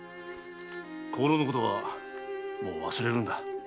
香炉のことはもう忘れるんだ。